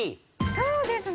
そうですね。